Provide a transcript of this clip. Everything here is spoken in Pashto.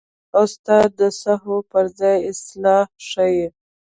استاد د سهوو پر ځای اصلاح ښيي.